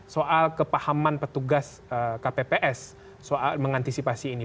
soal kepahaman petugas kpps soal mengantisipasi ini